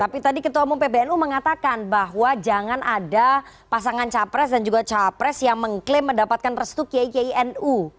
tapi tadi ketua umum pbnu mengatakan bahwa jangan ada pasangan capres dan juga capres yang mengklaim mendapatkan restu kiai kiai nu